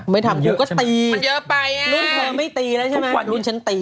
ไม่ทำถูกก็ตีรุ่นเธอไม่ตีแล้วใช่ไหมตีมันเยอะไปน้า